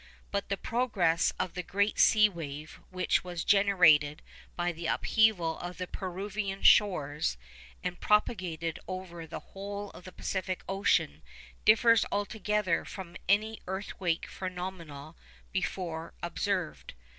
But the progress of the great sea wave which was generated by the upheaval of the Peruvian shores and propagated over the whole of the Pacific Ocean differs altogether from any earthquake phenomena before observed.